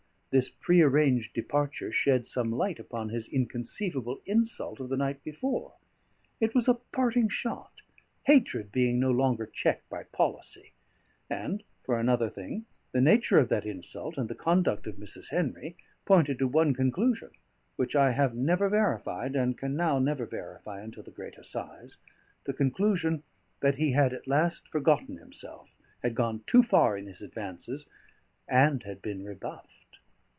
This pre arranged departure shed some light upon his inconceivable insult of the night before; it was a parting shot, hatred being no longer checked by policy. And, for another thing, the nature of that insult, and the conduct of Mrs. Henry, pointed to one conclusion, which I have never verified, and can now never verify until the great assize the conclusion that he had at last forgotten himself, had gone too far in his advances, and had been rebuffed.